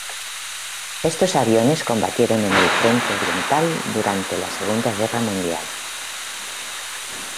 Estos aviones combatieron en el Frente Oriental durante la Segunda Guerra Mundial.